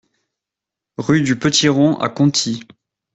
Rue du Petit Rond à Conty